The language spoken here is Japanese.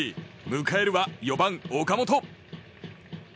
迎えるは４番、岡本。